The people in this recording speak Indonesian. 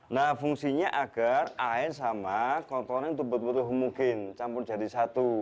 nah fungsinya agar air sama kotoran itu betul betul humukin campur jadi satu